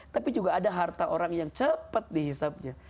tapi juga ada harta orang yang cepat dihisapnya